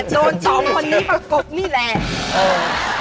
สองคนนี้ประกบนี่แหละ